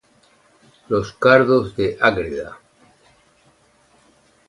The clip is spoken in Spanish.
Los cardos de Ágreda.